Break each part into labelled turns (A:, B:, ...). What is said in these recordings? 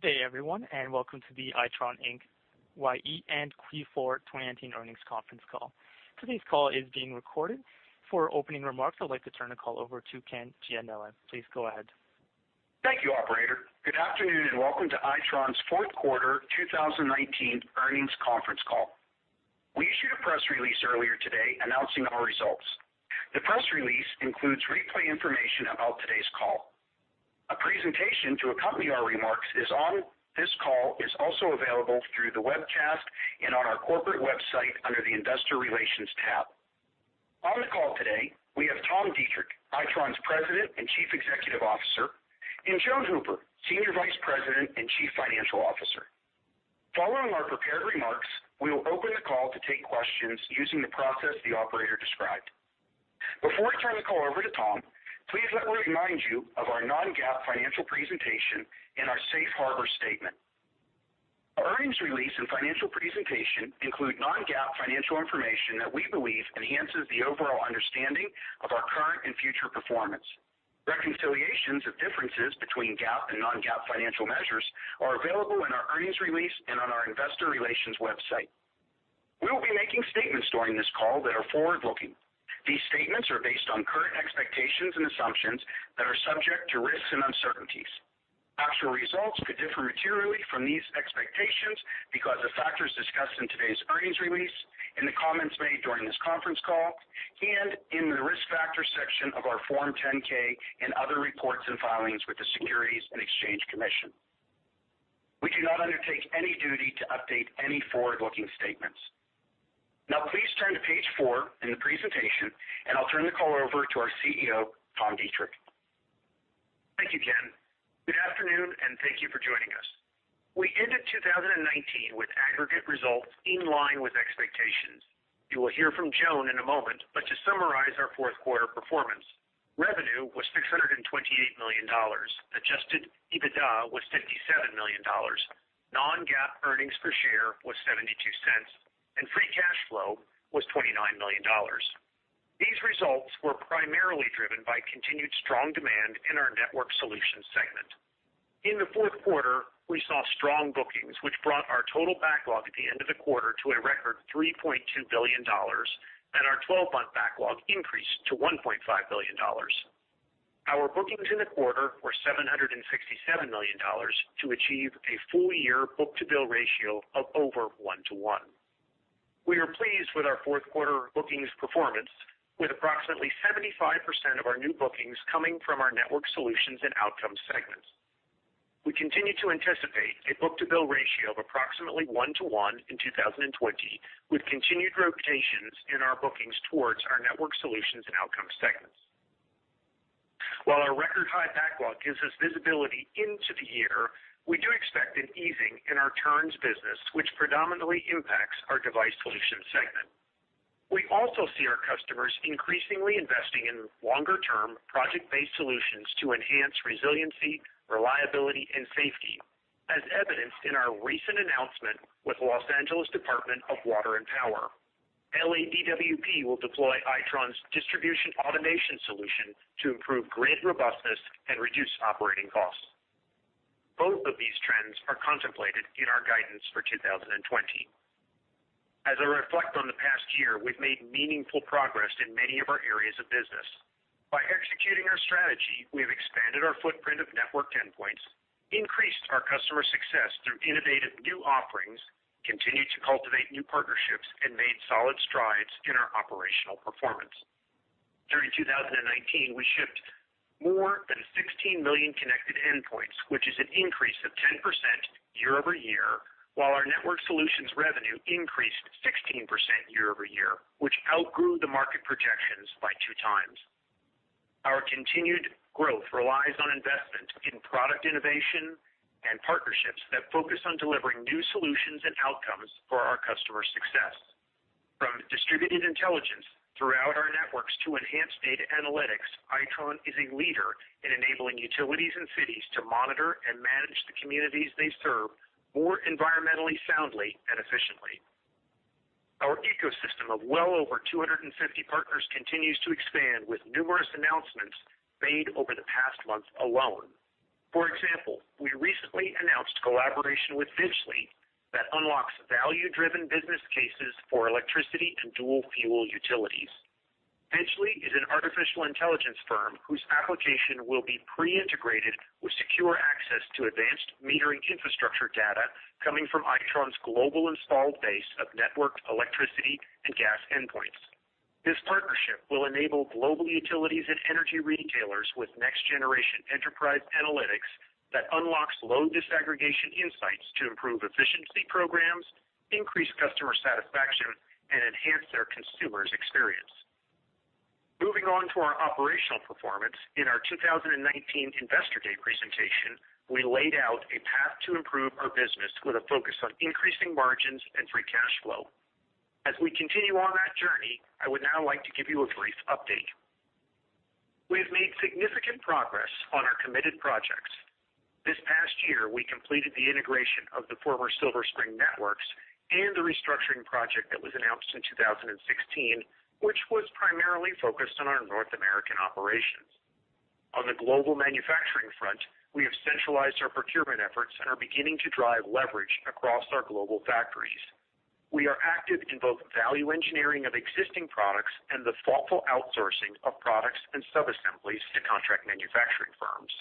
A: Good day, everyone, and welcome to the Itron IncYE and Q4 2019 earnings conference call. Today's call is being recorded. For opening remarks, I'd like to turn the call over to Ken Gianella. Please go ahead.
B: Thank you, operator. Good afternoon, welcome to Itron's fourth quarter 2019 earnings conference call. We issued a press release earlier today announcing our results. The press release includes replay information about today's call. A presentation to accompany our remarks on this call is also available through the webcast and on our corporate website under the investor relations tab. On the call today, we have Tom Deitrich, Itron's President and Chief Executive Officer, and Joan Hooper, Senior Vice President and Chief Financial Officer. Following our prepared remarks, we will open the call to take questions using the process the operator described. Before I turn the call over to Tom, please let me remind you of our non-GAAP financial presentation and our safe harbor statement. Our earnings release and financial presentation include non-GAAP financial information that we believe enhances the overall understanding of our current and future performance. Reconciliations of differences between GAAP and non-GAAP financial measures are available in our earnings release and on our investor relations website. We will be making statements during this call that are forward-looking. These statements are based on current expectations and assumptions that are subject to risks and uncertainties. Actual results could differ materially from these expectations because of factors discussed in today's earnings release, in the comments made during this conference call, and in the Risk Factors section of our Form 10-K and other reports and filings with the Securities and Exchange Commission. We do not undertake any duty to update any forward-looking statements. Now please turn to page four in the presentation, and I'll turn the call over to our CEO, Tom Deitrich.
C: Thank you, Ken. Good afternoon, and thank you for joining us. We ended 2019 with aggregate results in line with expectations. You will hear from Joan in a moment, but to summarize our fourth quarter performance, revenue was $628 million, adjusted EBITDA was $57 million, non-GAAP earnings per share was $0.72, and free cash flow was $29 million. These results were primarily driven by continued strong demand in our Networked Solutions segment. In the fourth quarter, we saw strong bookings, which brought our total backlog at the end of the quarter to a record $3.2 billion, and our 12-month backlog increased to $1.5 billion. Our bookings in the quarter were $767 million to achieve a full-year book-to-bill ratio of over 1:1. We are pleased with our fourth quarter bookings performance, with approximately 75% of our new bookings coming from our Networked Solutions and Outcomes segments. We continue to anticipate a book-to-bill ratio of approximately 1:1 in 2020, with continued rotations in our bookings towards our Networked Solutions and Outcomes segments. While our record-high backlog gives us visibility into the year, we do expect an easing in our turns business, which predominantly impacts our Device Solutions segment. We also see our customers increasingly investing in longer-term, project-based solutions to enhance resiliency, reliability, and safety, as evidenced in our recent announcement with Los Angeles Department of Water and Power. LADWP will deploy Itron's distribution automation solution to improve grid robustness and reduce operating costs. Both of these trends are contemplated in our guidance for 2020. As I reflect on the past year, we've made meaningful progress in many of our areas of business. By executing our strategy, we have expanded our footprint of network endpoints, increased our customer success through innovative new offerings, continued to cultivate new partnerships, and made solid strides in our operational performance. During 2019, we shipped more than 16 million connected endpoints, which is an increase of 10% year-over-year, while our Networked Solutions revenue increased 16% year-over-year, which outgrew the market projections by 2x. Our continued growth relies on investment in product innovation and partnerships that focus on delivering new solutions and Outcomes for our customers' success. From distributed intelligence throughout our networks to enhanced data analytics, Itron is a leader in enabling utilities and cities to monitor and manage the communities they serve more environmentally soundly and efficiently. Our ecosystem of well over 250 partners continues to expand, with numerous announcements made over the past month alone. For example, we recently announced collaboration with Bidgely that unlocks value-driven business cases for electricity and dual-fuel utilities. Bidgely is an artificial intelligence firm whose application will be pre-integrated with secure access to advanced metering infrastructure data coming from Itron's global installed base of networked electricity and gas endpoints. This partnership will enable global utilities and energy retailers with next-generation enterprise analytics that unlocks load disaggregation insights to improve efficiency programs, increase customer satisfaction, and enhance their consumers' experience. Moving on to our operational performance, in our 2019 Investor Day presentation, we laid out a path to improve our business with a focus on increasing margins and free cash flow. As we continue on that journey, I would now like to give you a brief update. We have made significant progress on our committed projects. This past year, we completed the integration of the former Silver Spring Networks and the restructuring project that was announced in 2016, which was primarily focused on our North American operations. On the global manufacturing front, we have centralized our procurement efforts and are beginning to drive leverage across our global factories. We are active in both value engineering of existing products and the thoughtful outsourcing of products and subassemblies to contract manufacturing firms.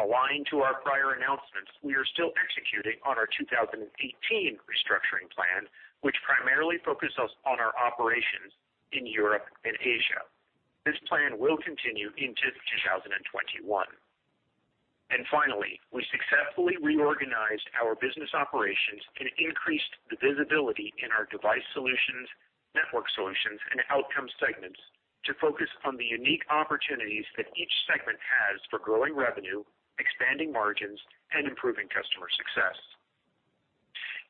C: Aligned to our prior announcements, we are still executing on our 2018 restructuring plan, which primarily focuses on our operations in Europe and Asia. This plan will continue into 2021. Finally, we successfully reorganized our business operations and increased the visibility in our Device Solutions, Networked Solutions, and Outcomes segments to focus on the unique opportunities that each segment has for growing revenue, expanding margins, and improving customer success.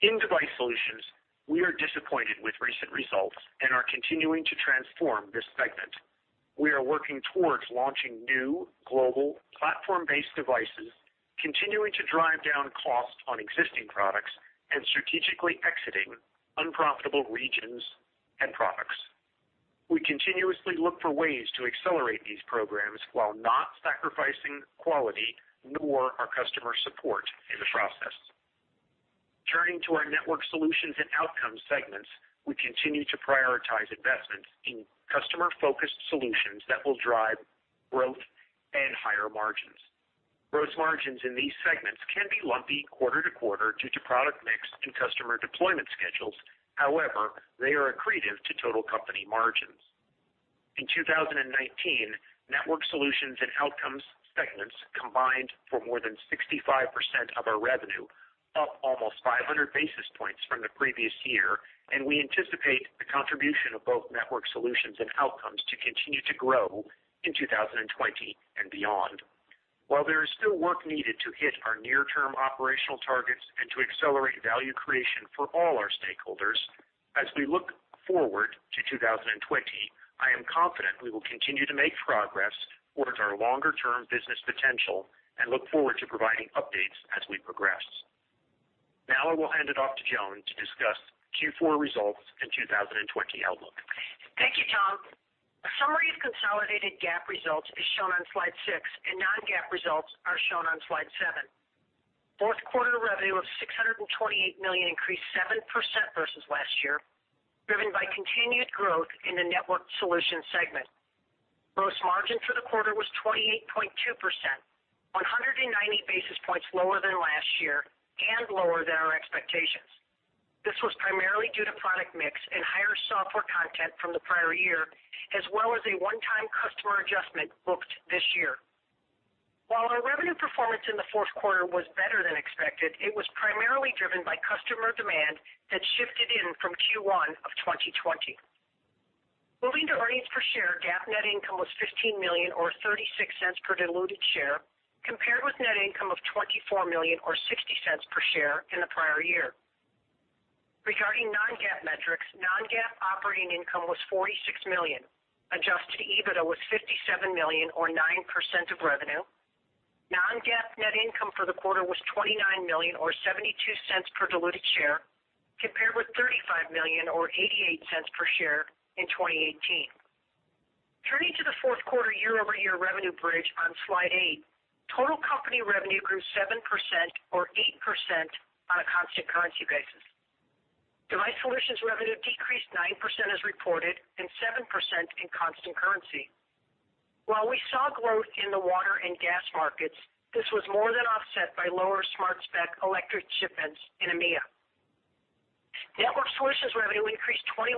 C: In Device Solutions, we are disappointed with recent results and are continuing to transform this segment. We are working towards launching new global platform-based devices, continuing to drive down cost on existing products, and strategically exiting unprofitable regions and products. We continuously look for ways to accelerate these programs while not sacrificing quality nor our customer support in the process. Turning to our Networked Solutions and Outcomes segments, we continue to prioritize investments in customer-focused solutions that will drive growth and higher margins. Gross margins in these segments can be lumpy quarter-to-quarter due to product mix and customer deployment schedules. However, they are accretive to total company margins. In 2019, Networked Solutions and Outcomes segments combined for more than 65% of our revenue, up almost 500 basis points from the previous year, and we anticipate the contribution of both Networked Solutions and Outcomes to continue to grow in 2020 and beyond. While there is still work needed to hit our near-term operational targets and to accelerate value creation for all our stakeholders, as we look forward to 2020, I am confident we will continue to make progress towards our longer-term business potential and look forward to providing updates as we progress. Now I will hand it off to Joan to discuss Q4 results and 2020 outlook.
D: Thank you, Tom. A summary of consolidated GAAP results is shown on slide six, and non-GAAP results are shown on slide seven. Fourth quarter revenue of $628 million increased 7% versus last year, driven by continued growth in the Networked Solutions segment. Gross margin for the quarter was 28.2%, 190 basis points lower than last year and lower than our expectations. This was primarily due to product mix and higher software content from the prior year, as well as a one-time customer adjustment booked this year. While our revenue performance in the fourth quarter was better than expected, it was primarily driven by customer demand that shifted in from Q1 of 2020. Moving to earnings per share, GAAP net income was $15 million or $0.36 per diluted share, compared with net income of $24 million or $0.60 per share in the prior year. Regarding non-GAAP metrics, non-GAAP operating income was $46 million. Adjusted EBITDA was $57 million or 9% of revenue. Non-GAAP net income for the quarter was $29 million or $0.72 per diluted share, compared with $35 million or $0.88 per share in 2018. Turning to the fourth quarter year-over-year revenue bridge on slide eight, total company revenue grew 7% or 8% on a constant currency basis. Device Solutions revenue decreased 9% as reported and 7% in constant currency. While we saw growth in the water and gas markets, this was more than offset by lower Smart Spec electric shipments in EMEA. Networked Solutions revenue increased 21%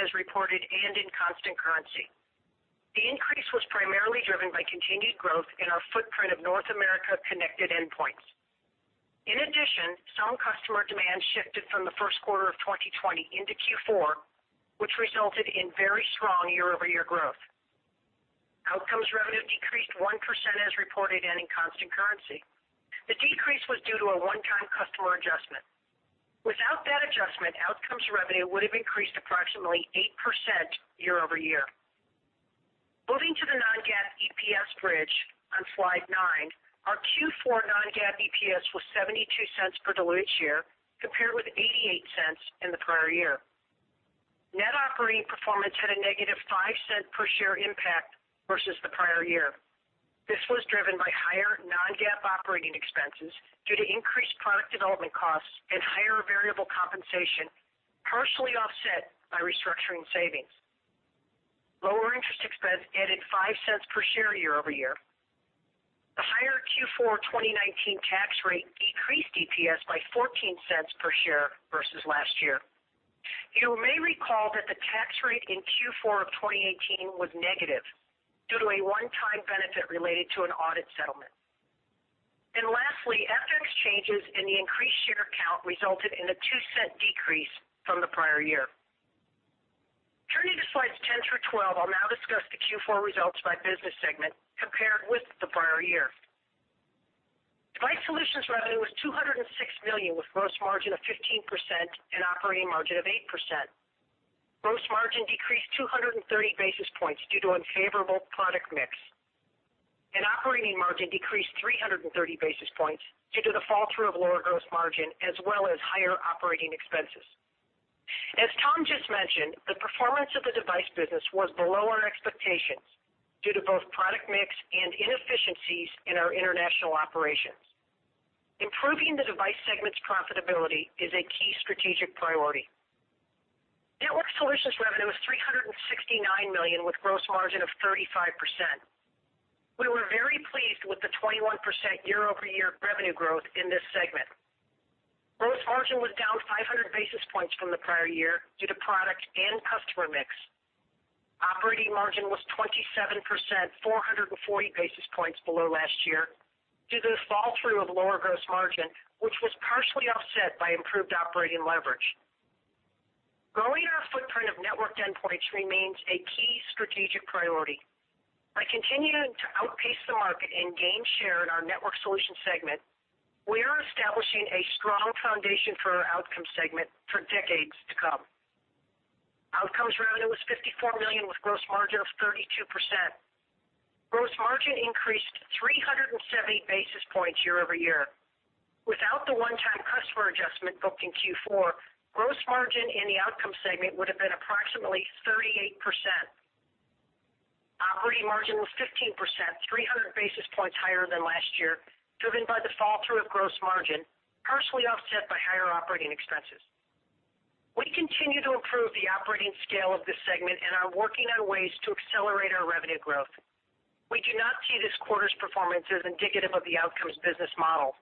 D: as reported and in constant currency. The increase was primarily driven by continued growth in our footprint of North America connected endpoints. In addition, some customer demand shifted from the first quarter of 2020 into Q4, which resulted in very strong year-over-year growth. Outcomes revenue decreased 1% as reported and in constant currency. The decrease was due to a one-time customer adjustment. Without that adjustment, Outcomes revenue would have increased approximately 8% year-over-year. Moving to the non-GAAP EPS bridge on slide nine, our Q4 non-GAAP EPS was $0.72 per diluted share, compared with $0.88 in the prior year. Net operating performance had a negative $0.05 per share impact versus the prior year. This was driven by higher non-GAAP operating expenses due to increased product development costs and higher variable compensation, partially offset by restructuring savings. Lower interest expense added $0.05 per share year-over-year. The higher Q4 2019 tax rate decreased EPS by $0.14 per share versus last year. You may recall that the tax rate in Q4 of 2018 was negative due to a one-time benefit related to an audit settlement. Lastly, FX changes and the increased share count resulted in a $0.02 decrease from the prior year. Turning to slides 10 through 12, I'll now discuss the Q4 results by business segment compared with the prior year. Device Solutions revenue was $206 million, with gross margin of 15% and operating margin of 8%. Gross margin decreased 230 basis points due to unfavorable product mix. Operating margin decreased 330 basis points due to the fall-through of lower gross margin as well as higher operating expenses. As Tom just mentioned, the performance of the device business was below our expectations due to both product mix and inefficiencies in our international operations. Improving the device segment's profitability is a key strategic priority. Networked Solutions revenue was $369 million with gross margin of 35%. We were very pleased with the 21% year-over-year revenue growth in this segment. Gross margin was down 500 basis points from the prior year due to product and customer mix. Operating margin was 27%, 440 basis points below last year due to the fall-through of lower gross margin, which was partially offset by improved operating leverage. Growing our footprint of network endpoints remains a key strategic priority. By continuing to outpace the market and gain share in our Networked Solutions segment, we are establishing a strong foundation for our Outcomes segment for decades to come. Outcomes revenue was $54 million with gross margin of 32%. Gross margin increased 370 basis points year-over-year. Without the one-time customer adjustment booked in Q4, gross margin in the Outcomes segment would have been approximately 38%. Operating margin was 15%, 300 basis points higher than last year, driven by the fall-through of gross margin, partially offset by higher operating expenses. We continue to improve the operating scale of this segment and are working on ways to accelerate our revenue growth. We do not see this quarter's performance as indicative of the Outcomes business model,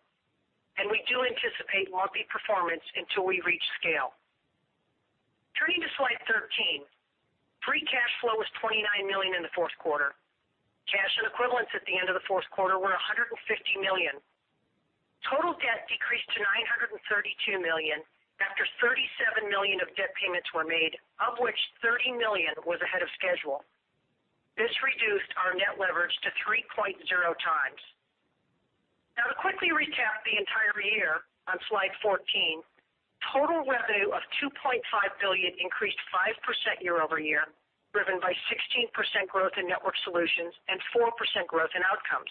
D: and we do anticipate lumpy performance until we reach scale. Turning to slide 13. Free cash flow was $29 million in the fourth quarter. Cash and equivalents at the end of the fourth quarter were $150 million. Total debt decreased to $632 million after $37 million of debt payments were made, of which $30 million was ahead of schedule. This reduced our net leverage to 3.0x. Now to quickly recap the entire year on slide 14, total revenue of $2.5 billion increased 5% year-over-year, driven by 16% growth in Networked Solutions and 4% growth in Outcomes.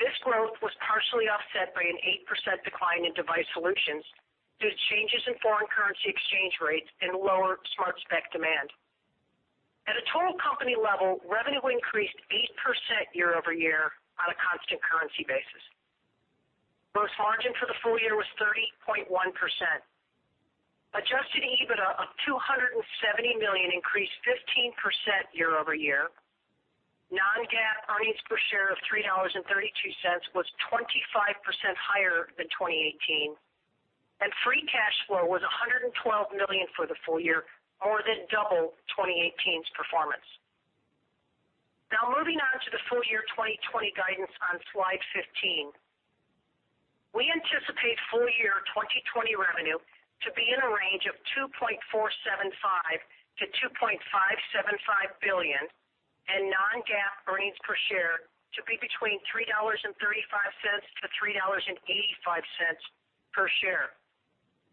D: This growth was partially offset by an 8% decline in Device Solutions due to changes in foreign currency exchange rates and lower Smart Spec demand. At a total company level, revenue increased 8% year-over-year on a constant currency basis. Gross margin for the full year was 30.1%. Adjusted EBITDA of $270 million increased 15% year-over-year, non-GAAP earnings per share of $3.32 was 25% higher than 2018, and free cash flow was $112 million for the full year, more than double 2018's performance. Now moving on to the full year 2020 guidance on slide 15. We anticipate full year 2020 revenue to be in a range of $2.475 billion-$2.575 billion and non-GAAP earnings per share to be between $3.35-$3.85 per share.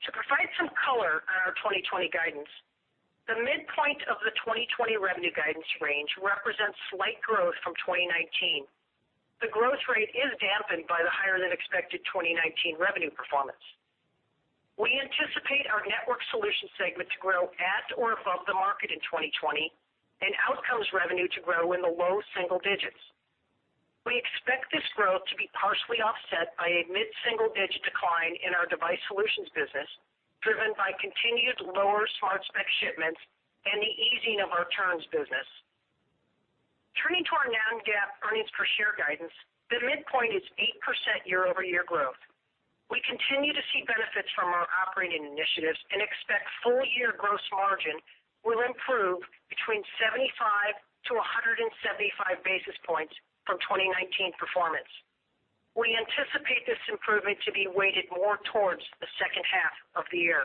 D: To provide some color on our 2020 guidance, the midpoint of the 2020 revenue guidance range represents slight growth from 2019. The growth rate is dampened by the higher-than-expected 2019 revenue performance. We anticipate our Networked Solutions segment to grow at or above the market in 2020, and Outcomes revenue to grow in the low single digits. We expect this growth to be partially offset by a mid-single-digit decline in our Device Solutions business, driven by continued lower Smart Spec shipments and the easing of our turns business. Turning to our non-GAAP earnings per share guidance, the midpoint is 8% year-over-year growth. We continue to see benefits from our operating initiatives and expect full-year gross margin will improve between 75 basis points-175 basis points from 2019 performance. We anticipate this improvement to be weighted more towards the second half of the year.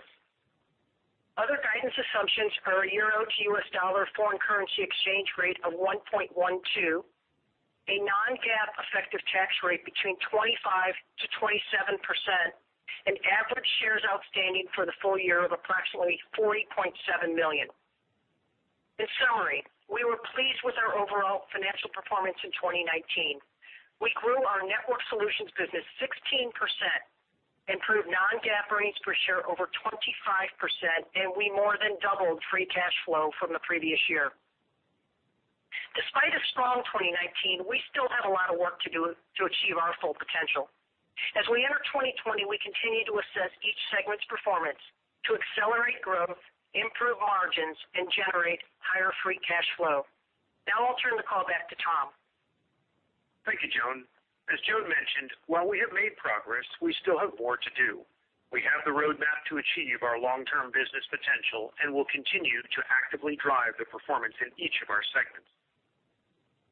D: Other guidance assumptions are a euro to U.S. dollar foreign currency exchange rate of 1.12, a non-GAAP effective tax rate between 25%-27%, and average shares outstanding for the full year of approximately 40.7 million. In summary, we were pleased with our overall financial performance in 2019. We grew our Networked Solutions business 16%, improved non-GAAP earnings per share over 25%, and we more than doubled free cash flow from the previous year. Despite a strong 2019, we still have a lot of work to do to achieve our full potential. As we enter 2020, we continue to assess each segment's performance to accelerate growth, improve margins, and generate higher free cash flow. Now I'll turn the call back to Tom.
C: Thank you, Joan. As Joan mentioned, while we have made progress, we still have more to do. We have the roadmap to achieve our long-term business potential and will continue to actively drive the performance in each of our segments.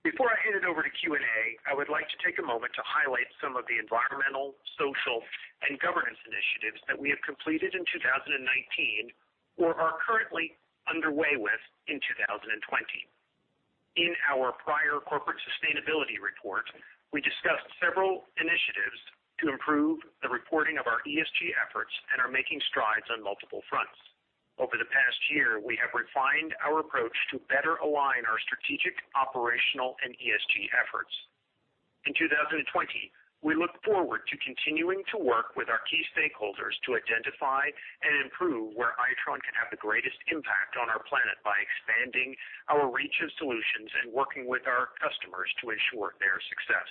C: Before I hand it over to Q&A, I would like to take a moment to highlight some of the environmental, social, and governance initiatives that we have completed in 2019 or are currently underway with in 2020. In our prior corporate sustainability report, we discussed several initiatives to improve the reporting of our ESG efforts and are making strides on multiple fronts. Over the past year, we have refined our approach to better align our strategic, operational, and ESG efforts. In 2020, we look forward to continuing to work with our key stakeholders to identify and improve where Itron can have the greatest impact on our planet by expanding our reach of solutions and working with our customers to ensure their success.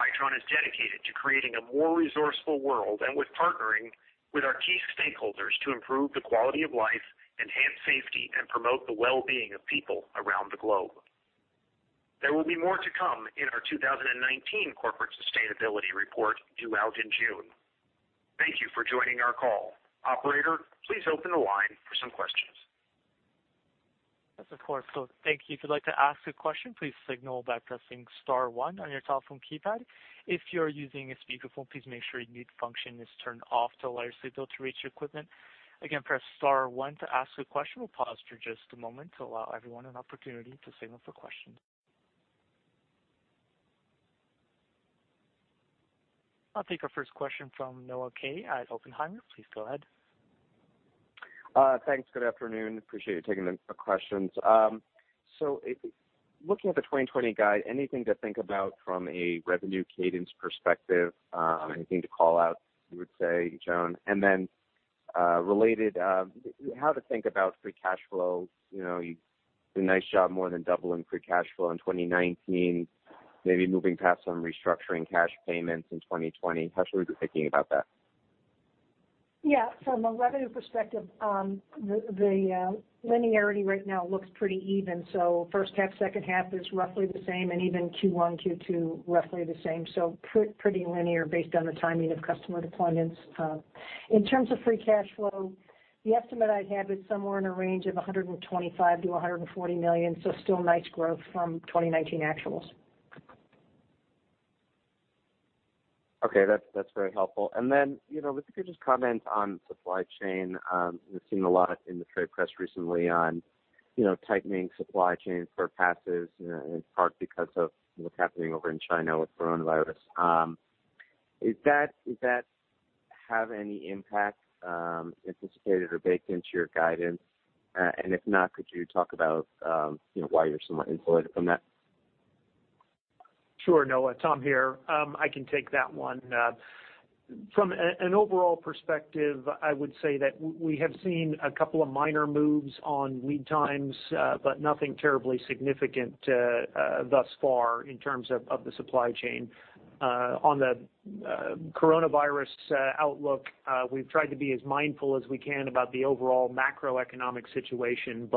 C: Itron is dedicated to creating a more resourceful world and with partnering with our key stakeholders to improve the quality of life, enhance safety, and promote the well-being of people around the globe. There will be more to come in our 2019 Environmental Social Governance Report due out in June. Thank you for joining our call. Operator, please open the line for some questions.
A: Yes, of course. Thank you. If you'd like to ask a question, please signal by pressing star one on your telephone keypad. If you're using a speakerphone, please make sure your mute function is turned off to allow your signal to reach your equipment. Again, press star one to ask a question. We'll pause for just a moment to allow everyone an opportunity to signal for questions. I'll take our first question from Noah Kaye at Oppenheimer. Please go ahead.
E: Thanks. Good afternoon. Appreciate you taking the questions. Looking at the 2020 guide, anything to think about from a revenue cadence perspective? Anything to call out, you would say, Joan? Related, how to think about free cash flow? You've done a nice job more than doubling free cash flow in 2019, maybe moving past some restructuring cash payments in 2020. How should we be thinking about that?
D: Yeah. From a revenue perspective, the linearity right now looks pretty even. First half, second half is roughly the same, and even Q1, Q2, roughly the same. Pretty linear based on the timing of customer deployments. In terms of free cash flow, the estimate I had was somewhere in a range of $125 million-$140 million, so still nice growth from 2019 actuals.
E: Okay. That's very helpful. If you could just comment on supply chain. We've seen a lot in the trade press recently on tightening supply chain surpasses, in part because of what's happening over in China with coronavirus. Is that have any impact anticipated or baked into your guidance? If not, could you talk about why you're somewhat insulated from that?
C: Sure, Noah. Tom here. I can take that one. From an overall perspective, I would say that we have seen a couple of minor moves on lead times. Nothing terribly significant thus far in terms of the supply chain. On the coronavirus outlook, we've tried to be as mindful as we can about the overall macroeconomic situation.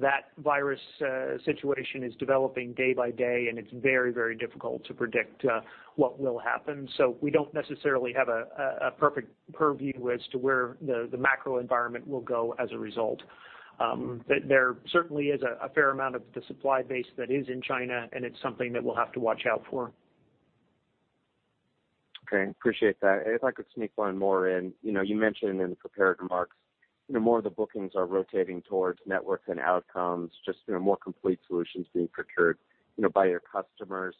C: That virus situation is developing day by day, and it's very difficult to predict what will happen. We don't necessarily have a perfect purview as to where the macro environment will go as a result. There certainly is a fair amount of the supply base that is in China, and it's something that we'll have to watch out for.
E: Okay, appreciate that. If I could sneak one more in. You mentioned in the prepared remarks, more of the bookings are rotating towards Networks and Outcomes, just more complete solutions being procured by your customers.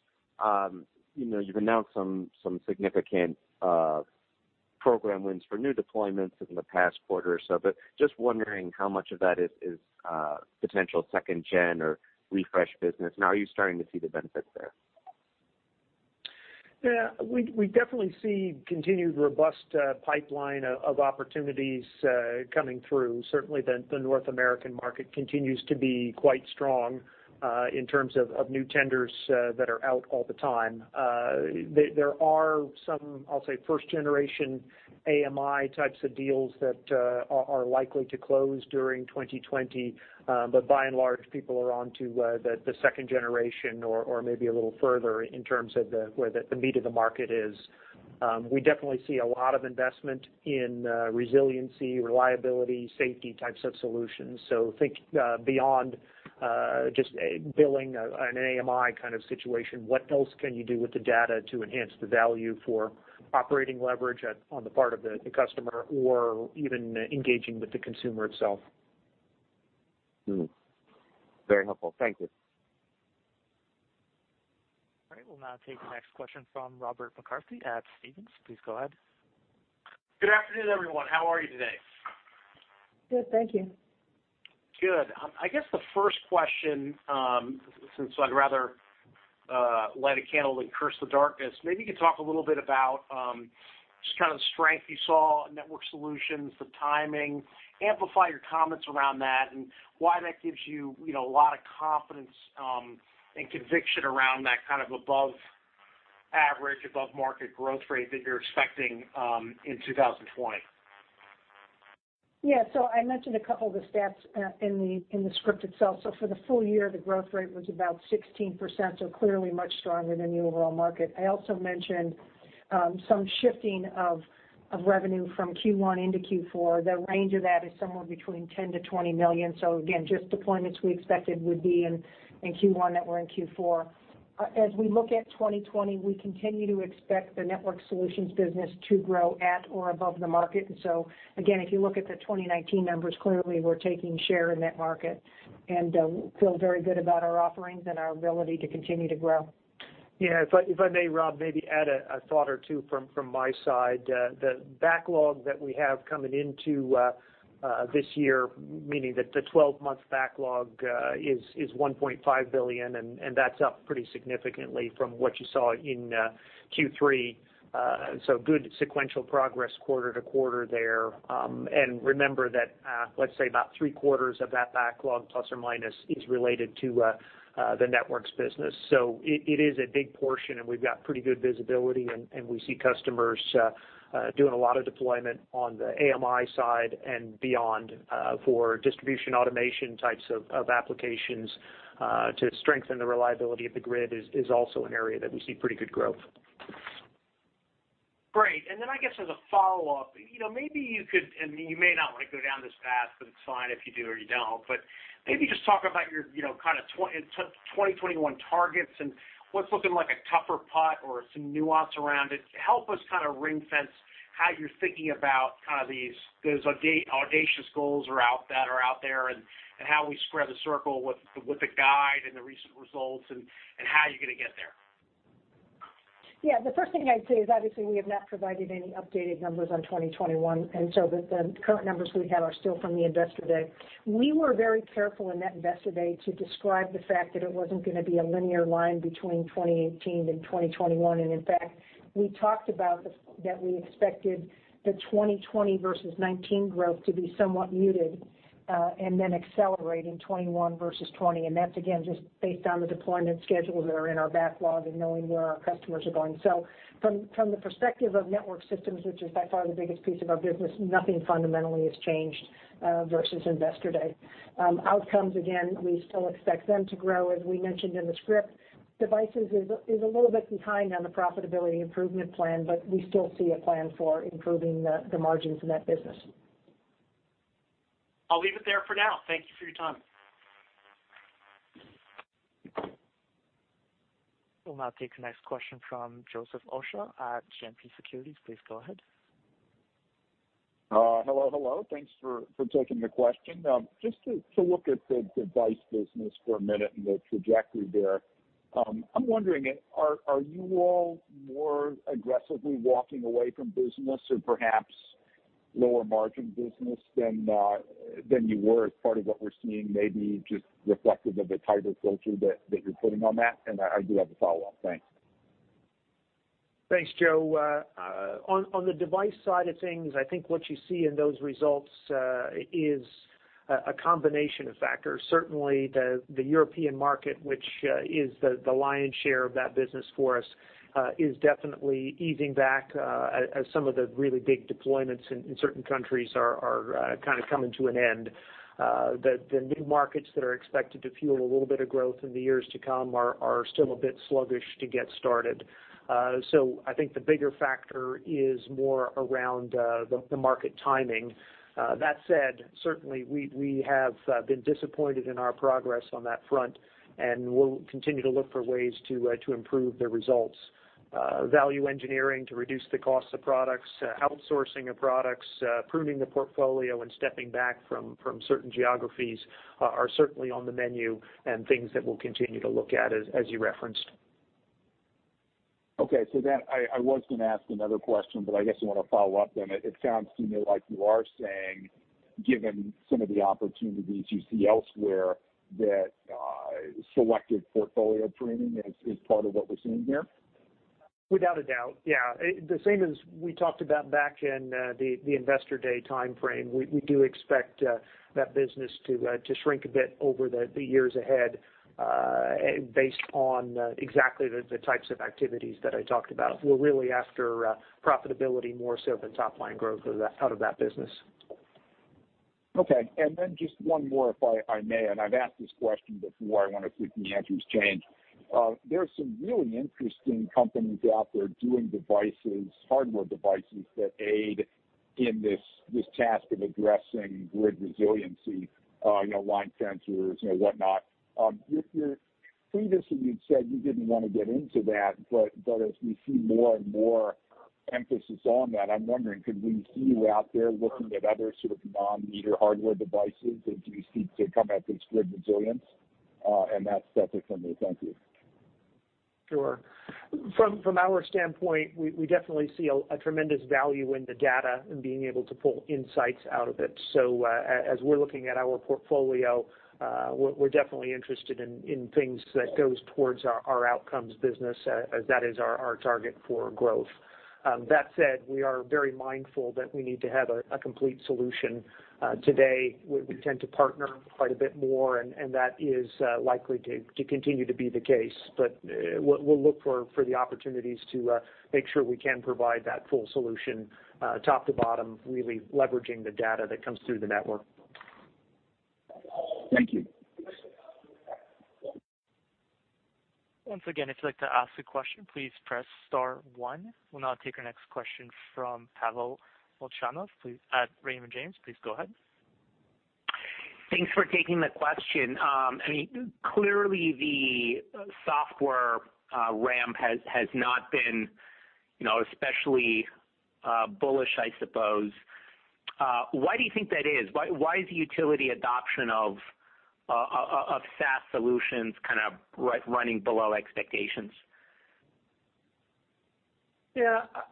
E: You've announced some significant program wins for new deployments within the past quarter or so, just wondering how much of that is potential second-gen or refresh business, and are you starting to see the benefits there?
C: Yeah. We definitely see continued robust pipeline of opportunities coming through. Certainly, the North American market continues to be quite strong in terms of new tenders that are out all the time. There are some, I'll say, first generation AMI types of deals that are likely to close during 2020. By and large, people are onto the second generation or maybe a little further in terms of where the meat of the market is. We definitely see a lot of investment in resiliency, reliability, safety types solutions. Think beyond just billing an AMI kind of situation. What else can you do with the data to enhance the value for operating leverage on the part of the customer or even engaging with the consumer itself?
E: Very helpful. Thank you.
A: All right. We'll now take the next question from Robert McCarthy at Stephens. Please go ahead.
F: Good afternoon, everyone. How are you today?
D: Good, thank you.
F: I guess the first question, since I'd rather light a candle than curse the darkness, maybe you could talk a little bit about just kind of the strength you saw in Networked Solutions, the timing. Amplify your comments around that and why that gives you a lot of confidence and conviction around that kind of above average, above market growth rate that you're expecting in 2020.
D: I mentioned a couple of the stats in the script itself. For the full year, the growth rate was about 16%, clearly much stronger than the overall market. I also mentioned some shifting of revenue from Q1 into Q4. The range of that is somewhere between $10 million-$20 million. Again, just deployments we expected would be in Q1 that were in Q4. As we look at 2020, we continue to expect the Networked Solutions business to grow at or above the market. Again, if you look at the 2019 numbers, clearly we're taking share in that market and feel very good about our offerings and our ability to continue to grow.
C: Yeah. If I may, Rob, maybe add a thought or two from my side. The backlog that we have coming into this year, meaning that the 12-month backlog is $1.5 billion, That's up pretty significantly from what you saw in Q3. Good sequential progress quarter-to-quarter there. Remember that, let's say about three quarters of that backlog ±, is related to the networks business. It is a big portion, and we've got pretty good visibility, and we see customers doing a lot of deployment on the AMI side and beyond, for distribution automation types of applications, to strengthen the reliability of the grid is also an area that we see pretty good growth.
F: Great. I guess as a follow-up, maybe you could, and you may not want to go down this path, but it's fine if you do or you don't, but maybe just talk about your kind of 2021 targets and what's looking like a tougher spot or some nuance around it. Help us kind of ring fence how you're thinking about these audacious goals that are out there, and how we square the circle with the guide and the recent results, and how you're going to get there.
D: Yeah. The first thing I'd say is, obviously, we have not provided any updated numbers on 2021. The current numbers we have are still from the Investor Day. We were very careful in that Investor Day to describe the fact that it wasn't going to be a linear line between 2018 and 2021. In fact, we talked about that we expected the 2020 versus 2019 growth to be somewhat muted, and then accelerate in 2021 versus 2020. That's, again, just based on the deployment schedules that are in our backlog and knowing where our customers are going. From the perspective of Networked Solutions, which is by far the biggest piece of our business, nothing fundamentally has changed versus Investor Day. Outcomes, again, we still expect them to grow, as we mentioned in the script. Devices is a little bit behind on the profitability improvement plan, but we still see a plan for improving the margins in that business.
F: I'll leave it there for now. Thank you for your time.
A: We'll now take the next question from Joseph Osha at JMP Securities. Please go ahead.
G: Hello, hello. Thanks for taking the question. Just to look at the Device Solutions for a minute and the trajectory there. I'm wondering, are you all more aggressively walking away from business or perhaps lower margin business than you were as part of what we're seeing, maybe just reflective of a tighter filter that you're putting on that? I do have a follow-up. Thanks.
C: Thanks, Joe. On the Device side of things, I think what you see in those results is a combination of factors. Certainly, the European market, which is the lion's share of that business for us, is definitely easing back, as some of the really big deployments in certain countries are kind of coming to an end. The new markets that are expected to fuel a little bit of growth in the years to come are still a bit sluggish to get started. I think the bigger factor is more around the market timing. That said, certainly, we have been disappointed in our progress on that front, and we'll continue to look for ways to improve the results. Value engineering to reduce the cost of products, outsourcing of products, pruning the portfolio, and stepping back from certain geographies are certainly on the menu and things that we'll continue to look at, as you referenced.
G: I was going to ask another question, I guess I want to follow up then. It sounds to me like you are saying, given some of the opportunities you see elsewhere, that selective portfolio pruning is part of what we're seeing here?
C: Without a doubt. Yeah. The same as we talked about back in the Investor Day timeframe. We do expect that business to shrink a bit over the years ahead, based on exactly the types of activities that I talked about. We're really after profitability more so than top-line growth out of that business.
G: Okay. Just one more, if I may, I've asked this question before. I wonder if the answer's changed. There's some really interesting companies out there doing devices, hardware devices, that aid in this task of addressing grid resiliency, line sensors and whatnot. Previously, you'd said you didn't want to get into that. As we see more and more emphasis on that, I'm wondering, could we see you out there looking at other sort of non-meter hardware devices as you seek to come at this grid resilience? That's separate from me. Thank you.
C: Sure. From our standpoint, we definitely see a tremendous value in the data and being able to pull insights out of it. As we're looking at our portfolio, we're definitely interested in things that goes towards our Outcomes business as that is our target for growth. That said, we are very mindful that we need to have a complete solution. Today, we tend to partner quite a bit more, and that is likely to continue to be the case. We'll look for the opportunities to make sure we can provide that full solution, top to bottom, really leveraging the data that comes through the network.
G: Thank you.
A: Once again, if you'd like to ask a question, please press star one. We'll now take our next question from Pavel Molchanov at Raymond James. Please go ahead.
H: Thanks for taking the question. I mean, clearly the software ramp has not been especially bullish, I suppose. Why do you think that is? Why is the utility adoption of SaaS solutions kind of running below expectations?
C: Yeah.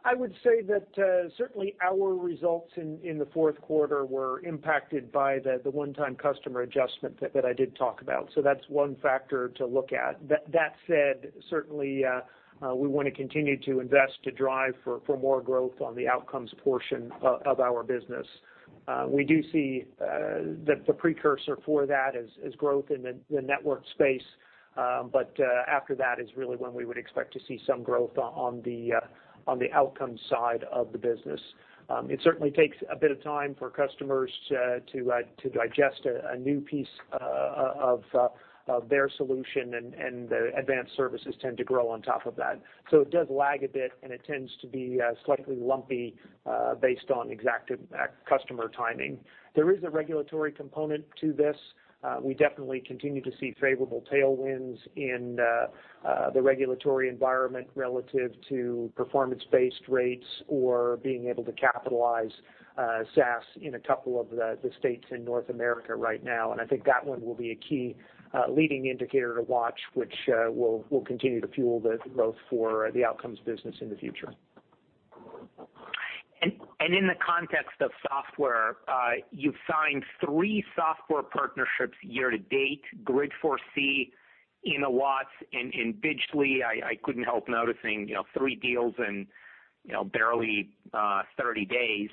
C: I would say that certainly our results in the fourth quarter were impacted by the one-time customer adjustment that I did talk about. That's one factor to look at. That said, certainly, we want to continue to invest to drive for more growth on the Outcomes portion of our business. We do see that the precursor for that is growth in the network space. After that is really when we would expect to see some growth on the Outcomes side of the business. It certainly takes a bit of time for customers to digest a new piece of their solution, and the advanced services tend to grow on top of that. It does lag a bit, and it tends to be slightly lumpy, based on exact customer timing. There is a regulatory component to this. We definitely continue to see favorable tailwinds in the regulatory environment relative to performance-based rates or being able to capitalize SaaS in a couple of the states in North America right now, and I think that one will be a key leading indicator to watch, which will continue to fuel the growth for the Outcomes business in the future.
H: In the context of software, you've signed three software partnerships year to date, Grid4C, Innowatts, and Bidgely. I couldn't help noticing three deals in barely 30 days.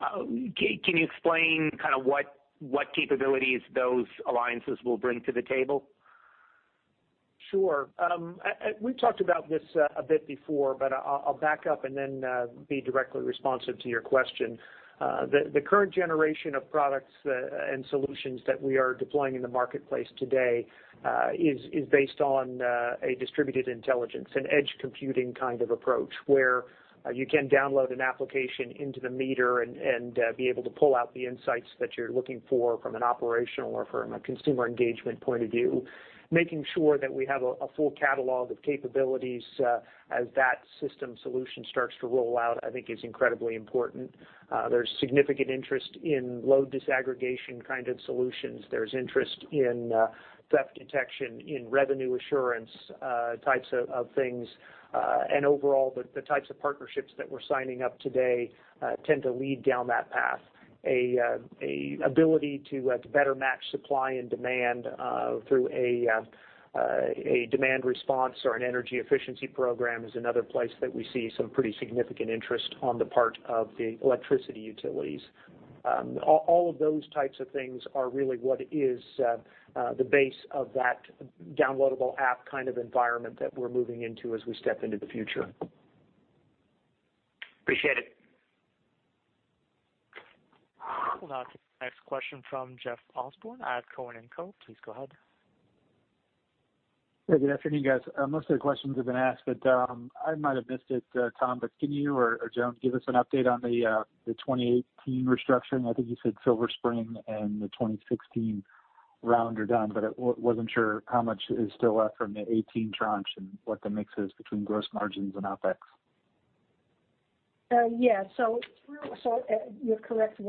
H: Can you explain what capabilities those alliances will bring to the table?
C: Sure. We've talked about this a bit before, but I'll back up and then be directly responsive to your question. The current generation of products and solutions that we are deploying in the marketplace today is based on a distributed intelligence, an edge computing kind of approach, where you can download an application into the meter and be able to pull out the insights that you're looking for from an operational or from a consumer engagement point of view. Making sure that we have a full catalog of capabilities as that system solution starts to roll out, I think is incredibly important. There's significant interest in load disaggregation kind of solutions. There's interest in theft detection, in revenue assurance types of things. Overall, the types of partnerships that we're signing up today tend to lead down that path. An ability to better match supply and demand through a demand response or an energy efficiency program is another place that we see some pretty significant interest on the part of the electricity utilities. All of those types of things are really what is the base of that downloadable app kind of environment that we're moving into as we step into the future.
H: Appreciate it.
A: We'll now take the next question from Jeff Osborne at Cowen and Co. Please go ahead.
I: Yeah, good afternoon, guys. Most of the questions have been asked, but I might have missed it, Tom, but can you or Joan give us an update on the 2018 restructuring? I think you said Silver Spring and the 2016 round are done, but I wasn't sure how much is still left from the 2018 tranche and what the mix is between gross margins and OpEx.
D: Yeah. You're correct.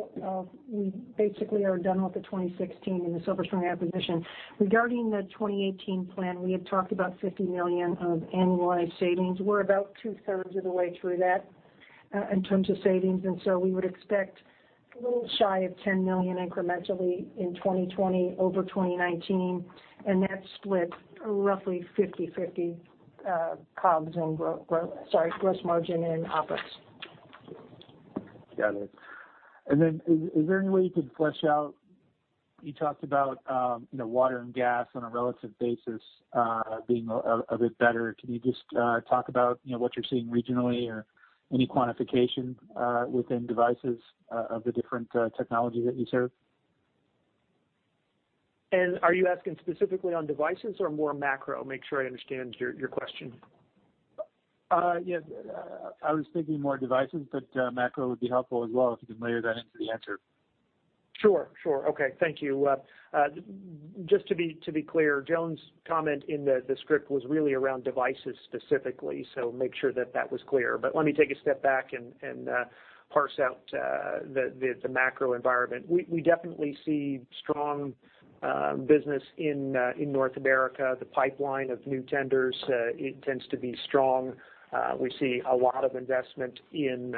D: We basically are done with the 2016 and the Silver Spring acquisition. Regarding the 2018 plan, we had talked about $50 million of annualized savings. We're about 2/3 of the way through that in terms of savings, and so we would expect a little shy of $10 million incrementally in 2020 over 2019, and that's split roughly 50/50 gross margin and OpEx.
I: Got it. Is there any way you could flesh out, you talked about water and gas on a relative basis being a bit better. Can you just talk about what you're seeing regionally or any quantification within Devices of the different technology that you serve?
C: Are you asking specifically on Devices or more macro? Make sure I understand your question.
I: Yeah. I was thinking more devices, but macro would be helpful as well, if you can layer that into the answer.
C: Sure. Okay. Thank you. Just to be clear, Joan's comment in the script was really around devices specifically, so make sure that that was clear. Let me take a step back and parse out the macro environment. We definitely see strong business in North America. The pipeline of new tenders, it tends to be strong. We see a lot of investment in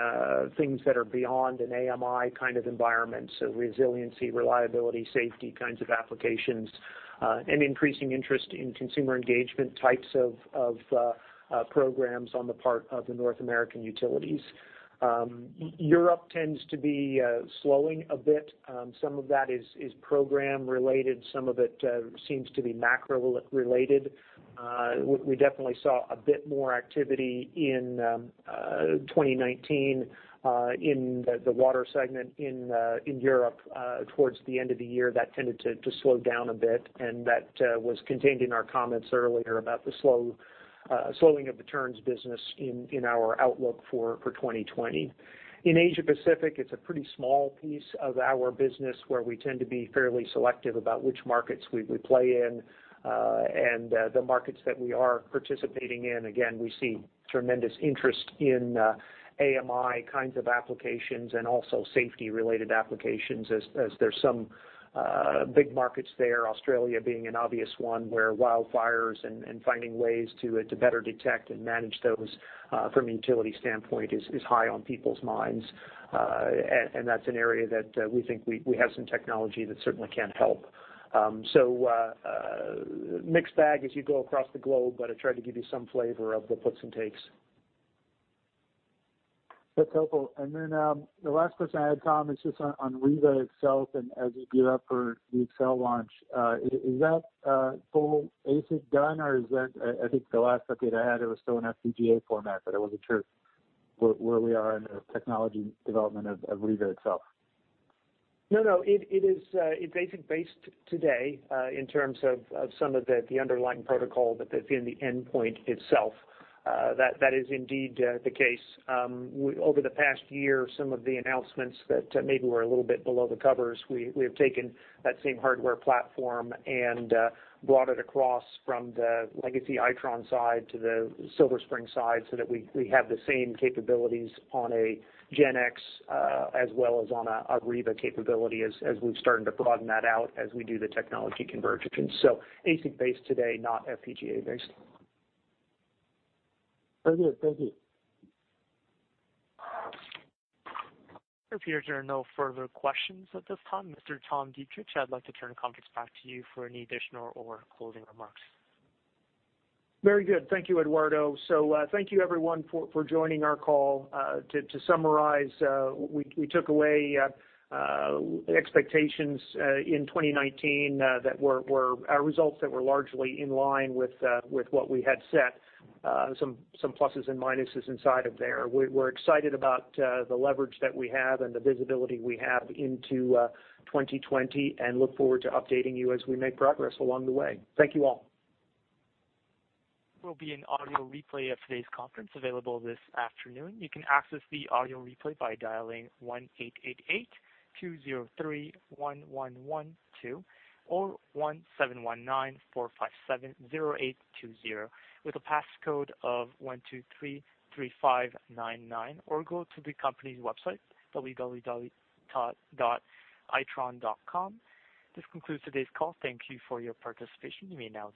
C: things that are beyond an AMI kind of environment. Resiliency, reliability, safety kinds of applications, and increasing interest in consumer engagement types of programs on the part of the North American utilities. Europe tends to be slowing a bit. Some of that is program related, some of it seems to be macro related. We definitely saw a bit more activity in 2019 in the water segment in Europe towards the end of the year. That tended to slow down a bit, and that was contained in our comments earlier about the slowing of the turns business in our outlook for 2020. In Asia-Pacific, it's a pretty small piece of our business where we tend to be fairly selective about which markets we play in. The markets that we are participating in, again, we see tremendous interest in AMI kinds of applications and also safety-related applications as there's some big markets there, Australia being an obvious one, where wildfires and finding ways to better detect and manage those from a utility standpoint is high on people's minds. That's an area that we think we have some technology that certainly can help. A mixed bag as you go across the globe, but I tried to give you some flavor of the puts and takes.
I: That's helpful. Then the last question I had, Tom, is just on Riva itself and as you gear up for the Accell launch, is that full ASIC done or is that, I think the last update I had, it was still in FPGA format, but I wasn't sure where we are in the technology development of Riva itself.
C: No. It is ASIC based today, in terms of some of the underlying protocol that's in the endpoint itself. That is indeed the case. Over the past year, some of the announcements that maybe were a little bit below the covers, we have taken that same hardware platform and brought it across from the legacy Itron side to the Silver Spring side so that we have the same capabilities on a Gen X, as well as on a Riva capability as we've started to broaden that out as we do the technology convergence. ASIC based today, not FPGA based.
I: Very good. Thank you.
A: It appears there are no further questions at this time. Mr. Tom Deitrich, I'd like to turn the conference back to you for any additional or closing remarks.
C: Very good. Thank you, Eduardo. Thank you everyone for joining our call. To summarize, we took away expectations, in 2019, that were results that were largely in line with what we had set, some pluses and minuses inside of there. We're excited about the leverage that we have and the visibility we have into 2020 and look forward to updating you as we make progress along the way. Thank you all.
A: There will be an audio replay of today's conference available this afternoon. You can access the audio replay by dialing 1-888-203-1112 or 1-719-457-0820 with a passcode of 1233599 or go to the company's website, www.itron.com. This concludes today's call. Thank you for your participation. You may now disconnect.